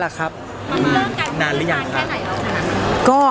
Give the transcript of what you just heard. สาเหตุหลักคืออะไรหรอครับผมว่าเราก็ไม่คอมิวนิเคทกัน